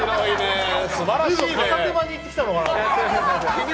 片手間に行ってきたのかなと。